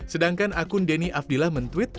sedangkan akun denny abdillah men tweet